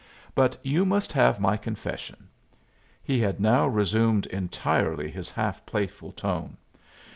But you must have my confession." He had now resumed entirely his half playful tone.